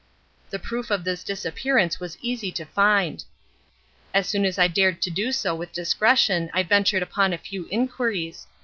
The proof of his disappearance was easy to find. As soon as I dared do so with discretion I ventured upon a few inquiries.